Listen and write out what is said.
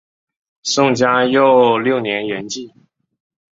宋嘉佑六年圆寂。